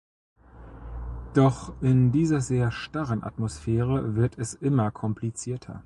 Doch in dieser sehr starren Atmosphäre wird es immer komplizierter.